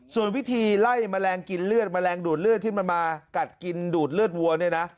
ส่วนวิธีไล่แมลงกินเลือดแมลงดูดเลือดที่มันมากัดกินดูดเลือดวัวเนี่ยนะ